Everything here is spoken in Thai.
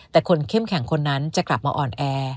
แต่คนเข้มแข็งคนนั้นจะกลับมาอ่อนแอ